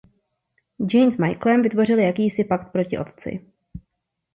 Jane s Michaelem vytvoří jakýsi pakt proti otci.